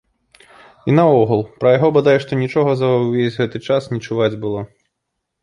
І наогул, пра яго бадай што нічога за ўвесь гэты час не чуваць было.